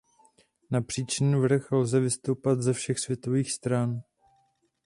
Na Příčný vrch lze vystoupat ze všech světových stran.